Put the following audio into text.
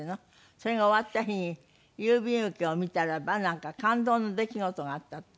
それが終わった日に郵便受けを見たらばなんか感動の出来事があったって。